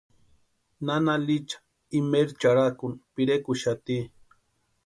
Nana Licha imaeri charhakuni pirekuxati.